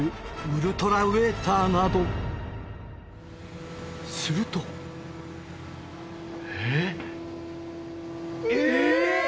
ウルトラウエーターなどするとえぇ⁉えぇ！